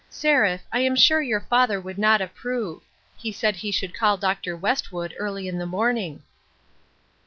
Seraph, I am sure your father would not approve ; he said he should call Dr. West wood early in the morning."